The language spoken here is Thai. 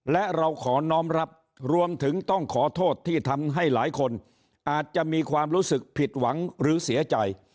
และเราขอน้องรับรวมถึงต้องขอโทษที่ทำให้หลายคนอาจจะมีความรู้สึกผิดหวังหรือเสียใจ